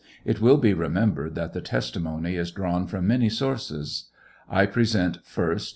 It will be remembered that the testimony is drawn from many sources. I present, 1st.